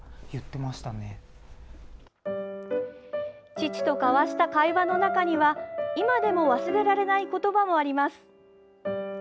父と交わした会話の中には今でも忘れられない言葉もあります。